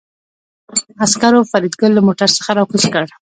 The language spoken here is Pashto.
عسکرو فریدګل له موټر څخه راکوز کړ